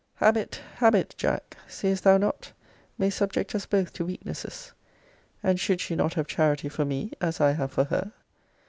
Habit, habit, Jack, seest thou not? may subject us both to weaknesses. And should she not have charity for me, as I have for her?